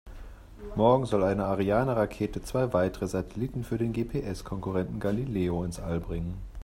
Morgen soll eine Ariane-Rakete zwei weitere Satelliten für den GPS-Konkurrenten Galileo ins All bringen.